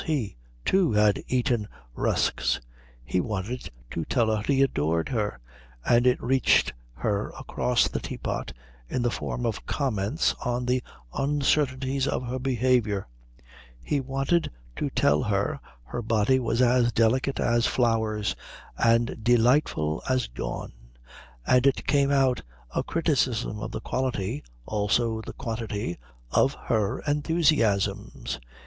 He, too, had eaten rusks. He wanted to tell her he adored her, and it reached her across the teapot in the form of comments on the uncertainties of her behaviour. He wanted to tell her her body was as delicate as flowers and delightful as dawn, and it came out a criticism of the quality also the quantity of her enthusiasms.